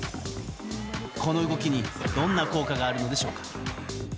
この動きにどんな効果があるのでしょうか。